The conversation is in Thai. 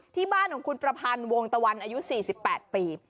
ที่บ้านของคุณประพันธ์วงตะวันอายุ๔๘ปี